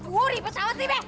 wuri pesawat sih be